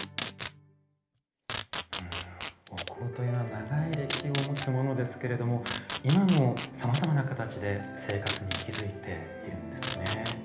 お香というのは長い歴史を持つものですけれども今も、さまざまな形で生活に息づいているんですね。